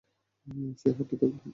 সে হাঁটতেই থাকলো।